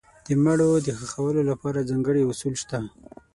د مړو د ښخولو لپاره ځانګړي اصول شته.